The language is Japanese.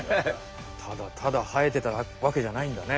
ただただ生えてたわけじゃないんだね。